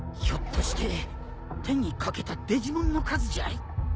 ひょっとして手に掛けたデジモンの数じゃい？